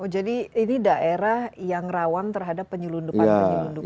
jadi ini daerah yang rawang terhadap penyelundupan